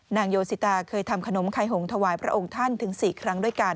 โยสิตาเคยทำขนมไข่หงถวายพระองค์ท่านถึง๔ครั้งด้วยกัน